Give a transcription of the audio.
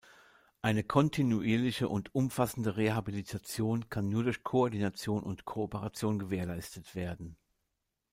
Eine kontinuierliche und umfassende Rehabilitation kann nur durch Koordination und Kooperation gewährleistet werden.